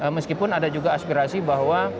meskipun ada juga aspirasi bahwa